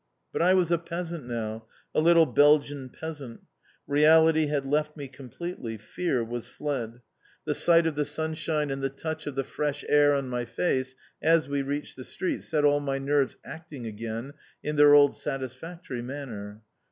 But I was a peasant now, a little Belgian peasant. Reality had left me completely. Fear was fled. The sight of the sunlight and the touch of the fresh air on my face as we reached the street set all my nerves acting again in their old satisfactory manner.